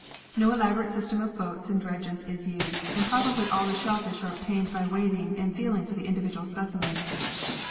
No elaborate system of boats and dredges is used and probably all the shellfish are obtained by wading and feeling for the individual specimens.